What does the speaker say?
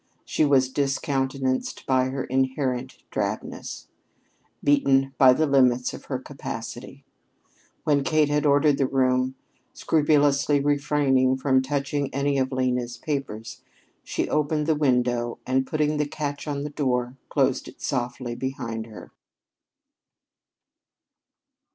She was discountenanced by her inherent drabness: beaten by the limits of her capacity. When Kate had ordered the room, scrupulously refraining from touching any of Lena's papers, she opened the window and, putting the catch on the door, closed it softly behind her.